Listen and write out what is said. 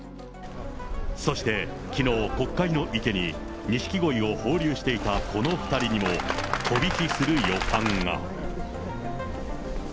そしてきのう、国会の池に錦鯉を放流していたこの２人にも、飛び火する予感が。